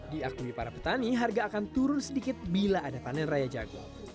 diakui para petani harga akan turun sedikit bila ada panen raya jagung